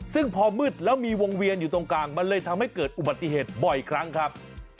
ซึ่งพอมืดแล้วมีวงเวียนอยู่ตรงกลางมันเลยทำให้เกิดอุบัติเหตุบ่อยครั้งครับ